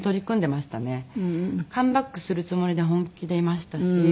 カムバックするつもりで本気でいましたし。